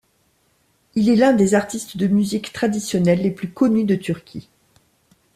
Il est l'un des artistes de musique traditionnelle les plus connus de Turquie.